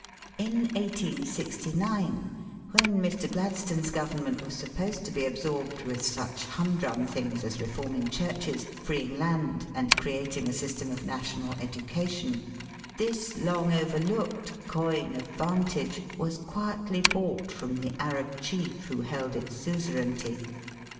In 1869, when Mr. Gladstone's Government was supposed to be absorbed with such hum drum things as reforming churches, freeing land, and creating a system of national educa tion, this long overlooked coign of vantage was quietly bought from the Arab chief who held its suzerainty.